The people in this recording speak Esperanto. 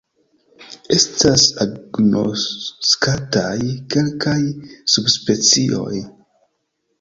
Estas agnoskataj kelkaj subspecioj.